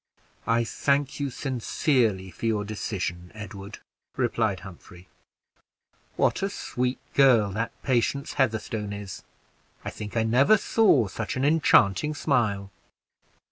"I thank you sincerely for your decision, Edward," replied Humphrey. "What a sweet girl that Patience Heatherstone is! I think I never saw such an enchanting smile!"